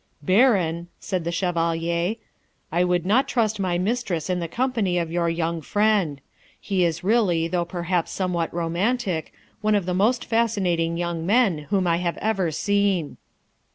'Baron,' said the Chevalier, 'I would not trust my mistress in the company of your young friend. He is really, though perhaps somewhat romantic, one of the most fascinating young men whom I have ever seen.'